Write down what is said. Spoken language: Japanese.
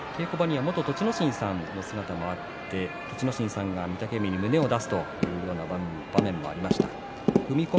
稽古後に元栃ノ心さんの姿もあって栃ノ心さんは御嶽海に胸を出すという場面もありました。